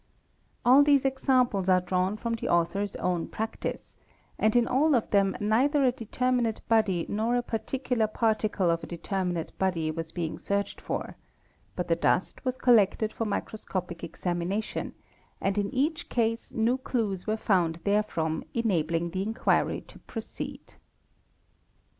All these examples are drawn — from the author's own practice and in all of them neither a deter minate body nor a particular particle of a determinate body was being searched for; but the dust was collected: for microscopic examination | and in each case new clues were found therefrom enabling the inquiry to proceed.